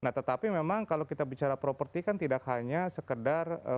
nah tetapi memang kalau kita bicara properti kan tidak hanya sekedar